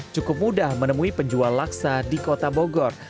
cukup mudah menemui penjual laksa di kota bogor